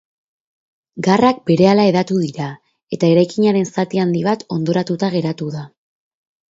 Garrak berehala hedatu dira eta eraikinaren zati handi bat hondatuta geratu da.